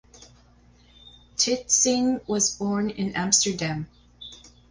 Titsingh was born in Amsterdam.